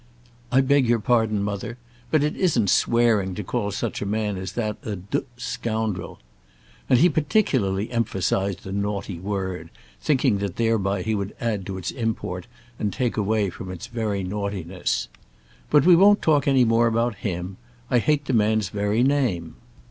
"I beg your pardon, mother. But it isn't swearing to call such a man as that a d scoundrel." And he particularly emphasized the naughty word, thinking that thereby he would add to its import, and take away from its naughtiness. "But we won't talk any more about him. I hate the man's very name.